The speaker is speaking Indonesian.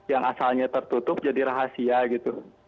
yang asalnya tertutup jadi rahasia gitu